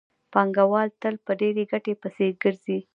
پانګوال تل په ډېرې ګټې پسې ګرځي